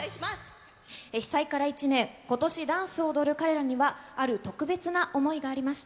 被災から１年、今年ダンスを踊る彼らにはある特別な思いがありました。